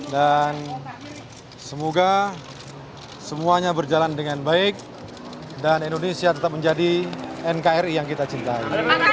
dan semoga semuanya berjalan dengan baik dan indonesia tetap menjadi nkri yang kita cintai